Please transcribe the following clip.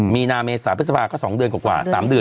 มีนาเมษาถ้าสภาก็๒เดือนกว่าอย่างนี้๓เดือน